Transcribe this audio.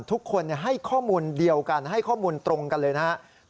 ทุกคนให้ข้อมูลเดียวกันให้ข้อมูลตรงกันเลยนะครับ